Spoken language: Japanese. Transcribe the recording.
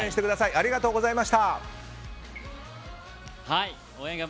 ありがとうございます。